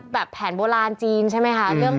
ยาแผนโบราณจีนใช่มั้ยคะ